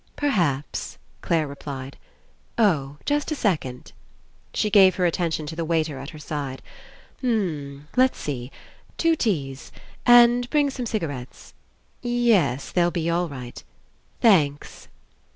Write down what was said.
"Perhaps," Clare replied. "Oh, just a second." She gave her attention to the waiter at her side. "M mm, let's see. Two teas. And bring some cigarettes. Y es, they'll be all right. Thanks."